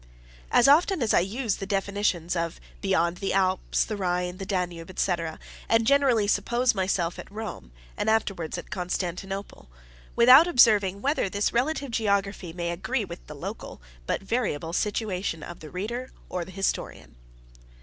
As often as I use the definitions of beyond the Alps, the Rhine, the Danube, &c., I generally suppose myself at Rome, and afterwards at Constantinople; without observing whether this relative geography may agree with the local, but variable, situation of the reader, or the historian.